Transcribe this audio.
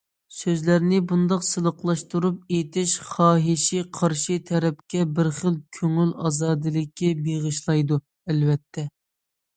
سۆزلەرنى بۇنداق سىلىقلاشتۇرۇپ ئېيتىش خاھىشى قارشى تەرەپكە بىر خىل كۆڭۈل ئازادىلىكى بېغىشلايدۇ، ئەلۋەتتە.